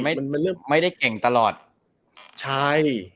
มันไม่ได้เก่งตลอดใช่